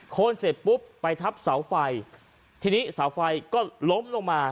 คนเสร็จปุ๊บไปทับเสาไฟทีนี้เสาไฟก็ล้มลงมา